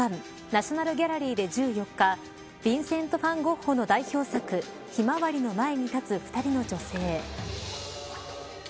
ナショナル・ギャラリーで１４日フィンセント・ファン・ゴッホの代表作ひまわりの前に立つ２人の女性。